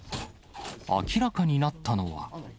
明らかになったのは。